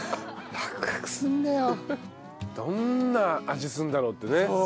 どんな味するんだろう？ってね。